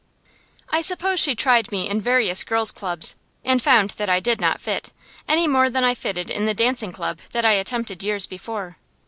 I suppose she tried me in various girls' clubs, and found that I did not fit, any more than I fitted in the dancing club that I attempted years before.